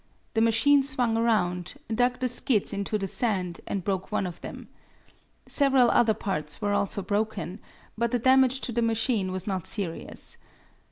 The machine swung around, dug the skids into the sand and broke one of them. Several other parts were also broken, but the damage to the machine was not serious.